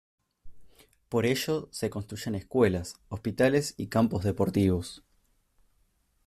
Por ello se construyen escuelas, hospitales y campos deportivos.